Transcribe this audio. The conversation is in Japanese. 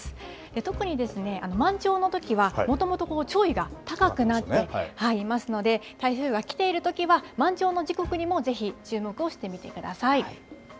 特にですね、満潮のときはもともと潮位が高くなっていますので台風が来ているときは満潮の時刻にもぜひ、注目をしてみてください。